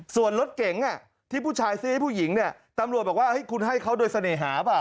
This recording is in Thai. ส่วนรถเก๋งที่ผู้ชายซื้อให้ผู้หญิงเนี่ยตำรวจบอกว่าคุณให้เขาโดยเสน่หาเปล่า